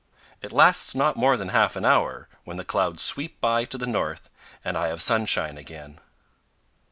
It lasts not more than half an hour, when the clouds sweep by to the north and I have sunshine again.